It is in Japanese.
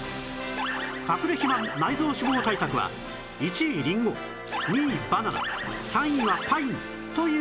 かくれ肥満・内臓脂肪対策は１位りんご２位バナナ３位はパインという結果に